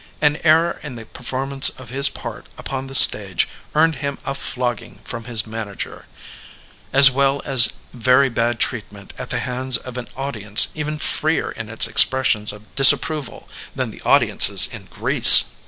An error in the performance of his part upon the stage earned him a flogging from his manager, as well as very bad treatment at the hands of an audience even freer in its expressions of disapproval than the audiences in Greece.